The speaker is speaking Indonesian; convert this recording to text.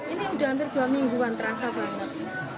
ini udah hampir dua mingguan terasa banget